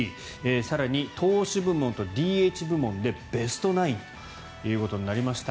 更に、投手部門とＤＨ部門でベストナインとなりました。